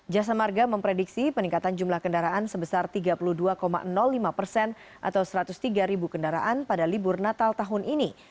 jasa marga memprediksi peningkatan jumlah kendaraan sebesar tiga puluh dua lima persen atau satu ratus tiga ribu kendaraan pada libur natal tahun ini